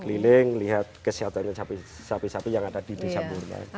keliling lihat kesehatannya sapi sapi yang ada di desa burman